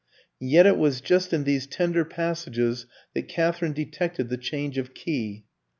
And yet it was just in these tender passages that Katherine detected the change of key.